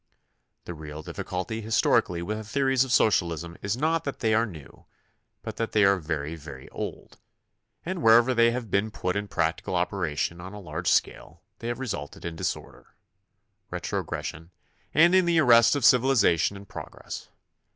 The real difficulty his torically with the theories of socialism is not that they are new, but that they are very, very old, and wher ever they have been put in practical operation on a large scale they have resulted in disorder, retrogres sion, and in the arrest of civilization and progress.